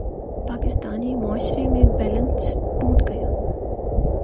پاکستانی معاشرے کا بیلنس ٹوٹ گیا۔